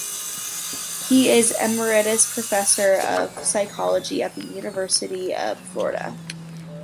He is Emeritus Professor of Psychology at the University of Florida.